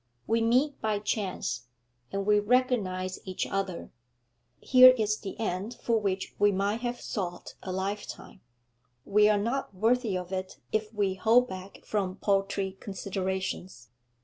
We meet by chance, and we recognise each other; here is the end for which we might have sought a lifetime; we are not worthy of it if we hold back from paltry considerations.